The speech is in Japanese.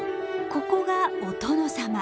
ここがお殿様。